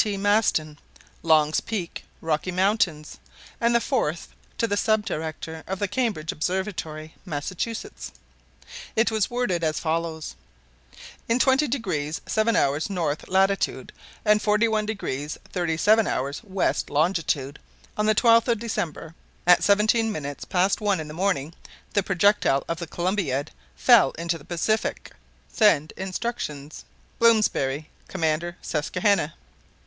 T. Maston, Long's Peak, Rocky Mountains; and the fourth to the sub director of the Cambridge Observatory, Massachusetts. It was worded as follows: In 20° 7′ north latitude, and 41° 37′ west longitude, on the 12th of December, at seventeen minutes past one in the morning, the projectile of the Columbiad fell into the Pacific. Send instructions.—BLOMSBERRY, Commander Susquehanna.